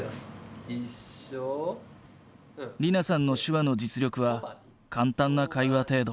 莉菜さんの手話の実力は簡単な会話程度。